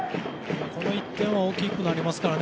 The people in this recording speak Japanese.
この１点は大きくなりますから。